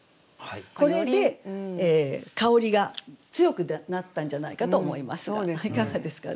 これで「香り」が強くなったんじゃないかと思いますがいかがですかね？